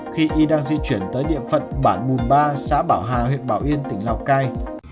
khi y đang di chuyển tới địa phận bản bùn ba xã bảo hà huyện bảo yên tỉnh lào cai